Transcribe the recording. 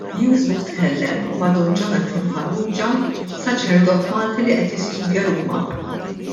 Newsbook tkellem ma' Dun Jonathan Farrugia, saċerdot Malti li qed jistudja Ruma.